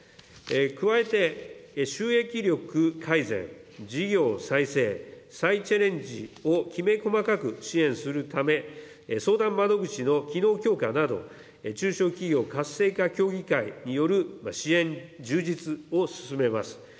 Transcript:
加えて、収益力改善、事業再生、再チャレンジをきめ細かく支援するため、相談窓口の機能強化など、中小企業活性化協議会による支援充実を進めます。